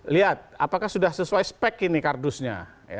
lihat apakah sudah sesuai spek ini kardusnya